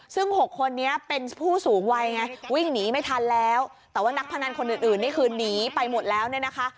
ซึ่งหกคนนี้เป็นผู้สูงวัยไงวิ่งหนีไม่ทันแล้วแต่ว่านักพนันคนอื่นนี่คือหนีไปหมดแล้วเนี่ยนะคะ